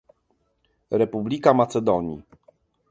Republika Macedonii